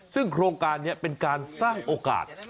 ซึ่งโครงการนี้เป็นการสร้างโอกาส